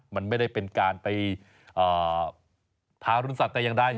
มันไม่ได้เป็นการไปทารุณสัตย์กันอย่างไร